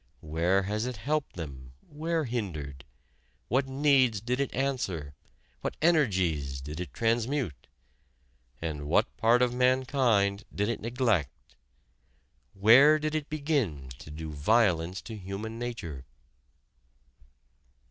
Where has it helped them, where hindered? What needs did it answer? What energies did it transmute? And what part of mankind did it neglect? Where did it begin to do violence to human nature?